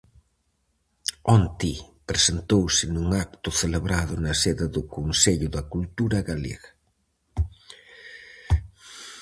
Onte presentouse nun acto celebrado na sede do Consello da Cultura Galega.